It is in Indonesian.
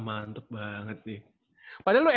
padahal lu sd beda ya nggak kenal ya dulu sd ya